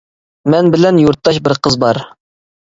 مەن بىلەن يۇرتداش بىر قىز بار.